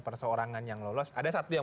perseorangan yang lolos ada satu yang